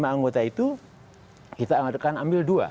lima anggota itu kita ambil dua